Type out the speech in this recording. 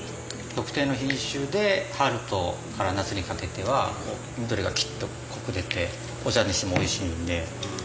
特定の品種で春から夏にかけては緑がキッと濃く出てお茶にしてもおいしいんで。